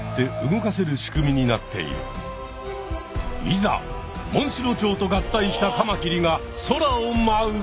いざモンシロチョウと合体したカマキリが空をまう！